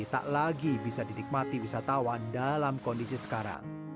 tak lagi bisa didikmati wisatawan dalam kondisi sekarang